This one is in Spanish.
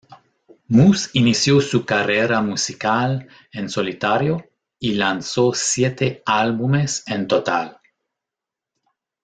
Mus inició su carrera musical en solitario y lanzó siete álbumes en total.